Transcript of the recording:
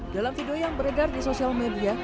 dalam video yang beredar di sosial media